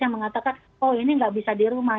yang mengatakan oh ini nggak bisa di rumah